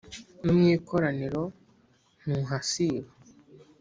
no mu ikoraniro ntuhasiba